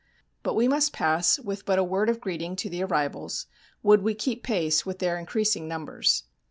But we must pass with but a word of greeting to the arrivals, would we keep pace with their increasing numbers.